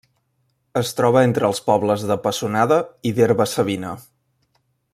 Es troba entre els pobles de Pessonada i d'Herba-savina.